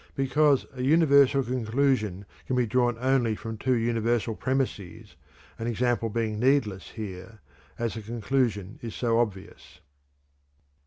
Because "a universal conclusion can be drawn only from two universal premises," an example being needless here, as the conclusion is so obvious.